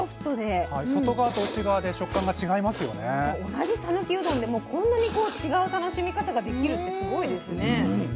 同じ讃岐うどんでもこんなに違う楽しみ方ができるってすごいですね。